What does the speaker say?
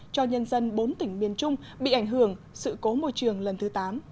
cho nhân dân bốn tỉnh miền trung bị ảnh hưởng sự cố môi trường lần thứ tám